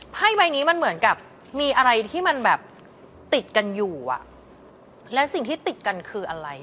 ไพ่ใบนี้มันเหมือนกับมีอะไรที่มันแบบติดกันอยู่อ่ะและสิ่งที่ติดกันคืออะไร